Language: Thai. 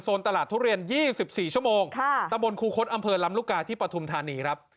ตลาดทุเรียน๒๔ชั่วโมงตะบนครูคดอำเภอลำลูกกาที่ปฐุมธานีครับ